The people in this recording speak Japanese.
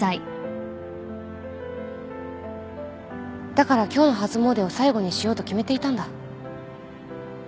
だから今日の初詣を最後にしようと決めていたんだ。